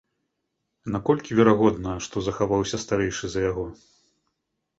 Наколькі верагодна, што захаваўся старэйшы за яго?